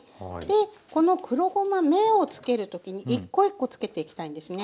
この黒ごま目をつける時に１コ１コつけていきたいんですね。